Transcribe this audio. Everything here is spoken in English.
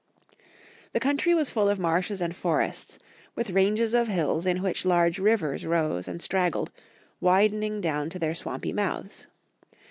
The country was full of marshes and forests, with ranges of hills in which large rivei s rose and strag gled, widening down to their swampy mouths.